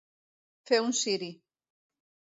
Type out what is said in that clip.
Fer un ciri.